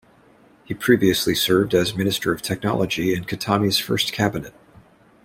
He previously served as Minister of Technology in Khatami's first cabinet.